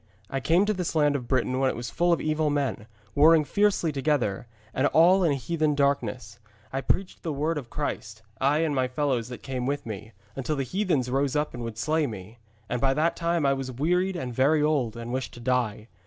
I came to this land of Britain when it was full of evil men, warring fiercely together, and all in heathen darkness. I preached the Word of Christ, I and my fellows that came with me, until the heathens rose up and would slay me. And by that time I was wearied and very old, and wished to die.